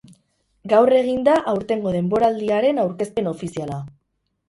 Gaur egin da aurtengo denboraldiaren aurkezpen ofiziala.